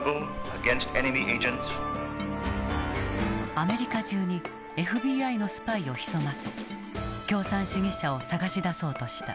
アメリカ中にＦＢＩのスパイを潜ませ共産主義者を捜し出そうとした。